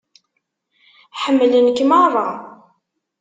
Ḥemmlen-k meṛṛa.